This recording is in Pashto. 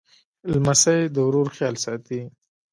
لمسی د ورور خیال ساتي.